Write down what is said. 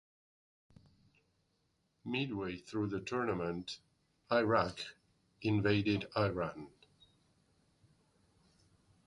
Midway through the tournament, Iraq invaded Iran.